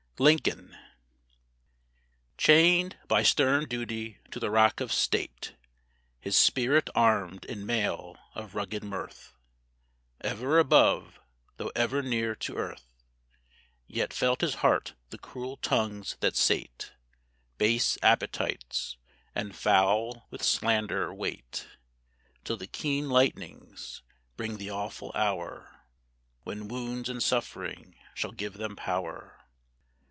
LINCOLN Chained by stern duty to the rock of state, His spirit armed in mail of rugged mirth, Ever above, though ever near to earth, Yet felt his heart the cruel tongues that sate Base appetites, and foul with slander, wait Till the keen lightnings bring the awful hour When wounds and suffering shall give them power.